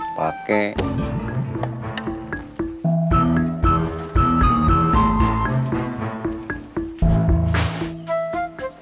gua publish disana